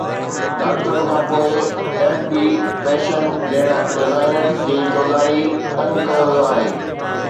ڊاڪٽرن کان پوء، ايف بي فيشن ڊيزائنرز جي چوڌاري تنگ ڪيو ويو آهي